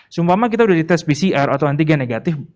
sumpah mah kita udah di tes pcr atau antigen negatif